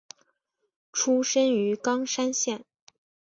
出身于冈山县。